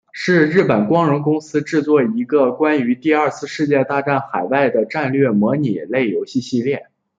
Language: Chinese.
是日本光荣公司制作的一个关于第二次世界大战海战的战略模拟类游戏系列。